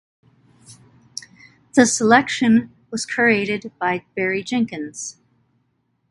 The selection was curated by Barry Jenkins.